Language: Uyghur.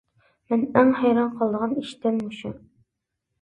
مەن ئەڭ ھەيران قالىدىغان ئىش دەل مۇشۇ.